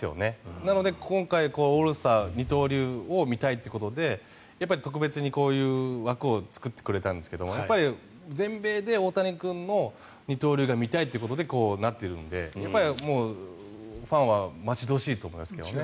なので、今回オールスター二刀流を見たいということで特別にこういう枠を作ってくれたんですけどやっぱり全米で大谷君の二刀流が見たいということでこうなっているのでやっぱりファンは待ち遠しいと思いますけどね。